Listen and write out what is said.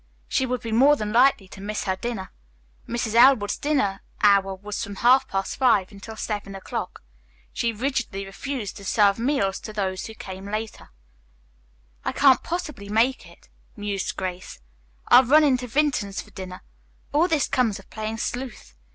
She would be more than likely to miss her dinner. Mrs. Elwood's dinner hour was from half past five until seven o'clock. She rigidly refused to serve meals to those who came later. [Illustration: Grace Stepped Behind a Tree.] "I can't possibly make it," mused Grace. "I'll run into Vinton's for dinner. All this comes of playing sleuth."